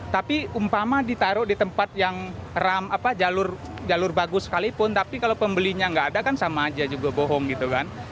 tapi umpama ditaruh di tempat yang jalur bagus sekalipun tapi kalau pembelinya nggak ada kan sama aja juga bohong gitu kan